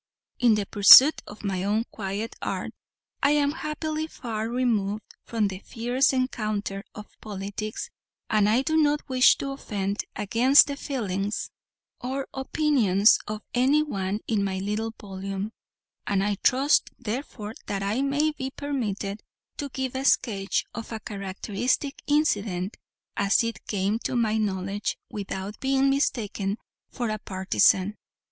In the pursuit of my own quiet art, I am happily far removed from the fierce encounter of politics, and I do not wish to offend against the feelings or opinions of any one in my little volume; and I trust, therefore, that I may be permitted to give a sketch of a characteristic incident, as it came to my knowledge, without being mistaken for a partisan.